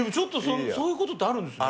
そういうことってあるんですね。